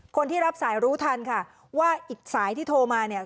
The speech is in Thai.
คนที่รับทรายรู้ทันฯภาพคนที่โทรมาเนี่ย